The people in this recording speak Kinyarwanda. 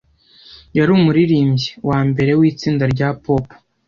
yari umuririmbyi wambere w'itsinda rya pop